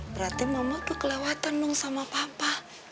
berarti mama tuh kelewatan dong sama papa